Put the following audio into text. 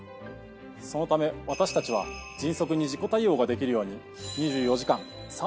そのため私たちは迅速に事故対応ができるように。